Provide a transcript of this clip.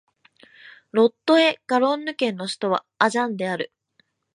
ロット＝エ＝ガロンヌ県の県都はアジャンである